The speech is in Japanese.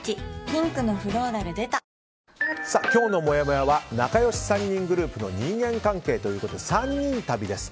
ピンクのフローラル出た今日のもやもやは仲良し３人グループの人間関係ということで３人旅です。